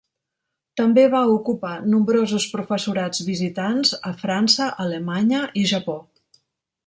També va ocupar nombrosos professorats visitants a França, Alemanya i Japó.